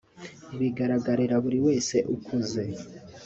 Biragaragarira buri wese ukuze